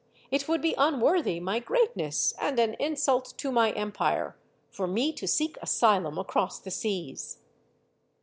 It would be unworthy my greatness and an insult to my empire for me to seek asylum across the seas."